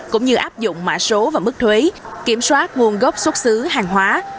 cũng như áp dụng mã số và mức thuế kiểm soát nguồn gốc xuất xứ hàng hóa